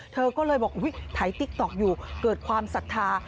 เธอก็เลยบอกถ่ายติ๊กต๊อกอยู่เกิดความศรัทธา